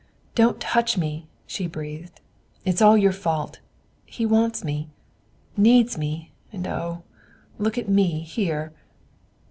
"Don't touch me!" she breathed; "it is all your fault he wants me needs me and, oh, look at me here!